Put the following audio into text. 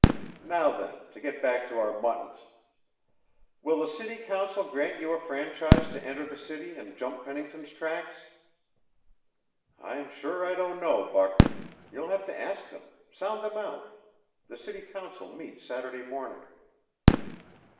Now, then, to get back to our muttons. Will the city council grant you a franchise to enter the city and jump Pennington's tracks?" "I'm sure I don't know, Buck. You'll have to ask them sound them out. The city council meets Saturday morning."